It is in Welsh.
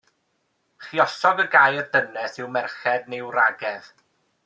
Lluosog y gair dynes yw merched neu wragedd.